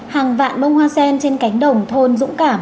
hàng vạn bông hoa sen trên cánh đồng thôn dũng cảm